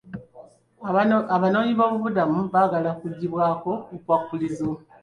Abanoonyiboobubudamu baagala okuggibwako obukwakkulizo.